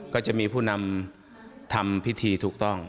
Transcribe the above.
ก็จะมีผู้นำทำพิธีถูกต้อง